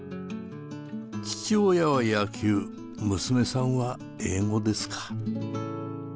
父親は野球娘さんは英語ですか。